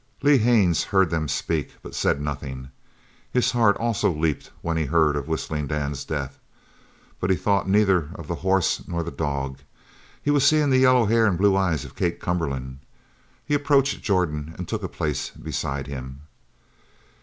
Lee Haines heard them speak, but he said nothing. His heart also leaped when he heard of Whistling Dan's death, but he thought neither of the horse nor the dog. He was seeing the yellow hair and the blue eyes of Kate Cumberland. He approached Jordan and took a place beside him.